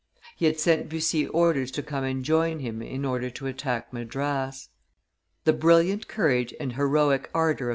He had sent Bussy orders to come and join him in order to attack Madras. The brilliant courage and heroic ardor of M.